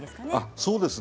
そうですね